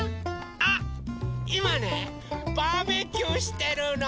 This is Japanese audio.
あっいまねバーベキューしてるの！